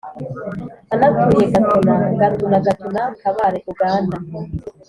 anatuye Gatuna GatunaGatuna Kabare Uganda